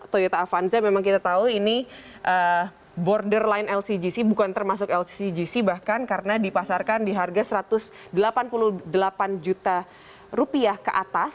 toyota avanza memang kita tahu ini border line lcgc bukan termasuk lcgc bahkan karena dipasarkan di harga satu ratus delapan puluh delapan juta rupiah ke atas